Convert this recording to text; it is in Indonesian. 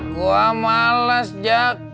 gua males jak